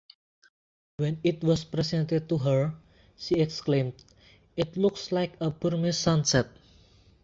When it was presented to her, she exclaimed, It looks like a Burmese sunset.